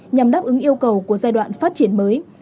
nhằm đáp ứng yêu cầu của giai đoạn phát triển mới